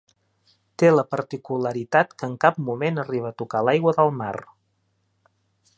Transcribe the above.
Té la particularitat què en cap moment arriba a tocar l'aigua del mar.